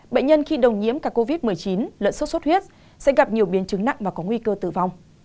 bệnh nhân khi đồng nhiễm cả covid một mươi chín lợn sốt xuất huyết sẽ gặp nhiều biến chứng nặng và có nguy cơ tử vong